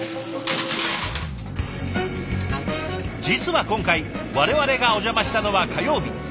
実は今回我々がお邪魔したのは火曜日。